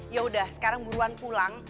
yaudah sekarang buruan pulang